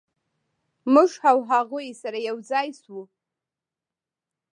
موږ او هغوی سره یو ځای شوو.